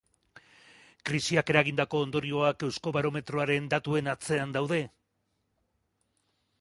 Krisiak eragindako ondorioak euskobarometroaren datuen atzean daude?